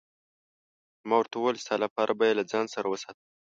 ما ورته وویل: ستا لپاره به يې له ځان سره وساتم.